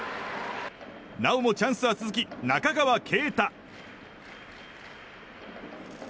なおもチャンスは続き中川圭太。